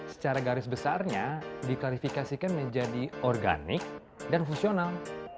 secara garis besarnya diklarifikasikan menjadi organik dan fungsional